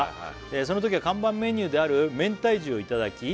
「そのときは看板メニューであるめんたい重をいただき」